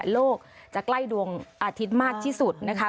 โลกจะใกล้ดวงอาทิตย์มากที่สุดนะคะ